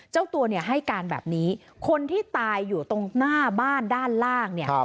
เจ้าตัวเนี่ยให้การแบบนี้คนที่ตายอยู่ตรงหน้าบ้านด้านล่างเนี่ย